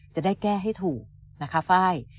จะได้แก้ให้ถูกนะคะไฟล์